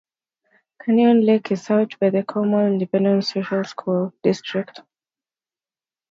Canyon Lake is served by the Comal Independent School District.